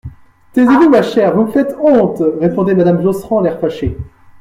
Taisez-vous, ma chère, vous me faites honte, répondait madame Josserand, l'air fâché.